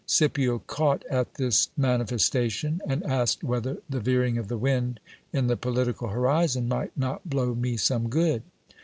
Scipio caught at this manifest ation, and asked whether the veering of the wind in the political horizon might not blow me some good.